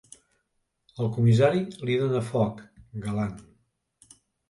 El comissari li dóna foc, galant.